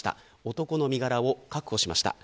男の身柄を確保しました。